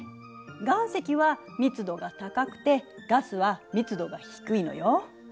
岩石は密度が高くてガスは密度が低いのよ。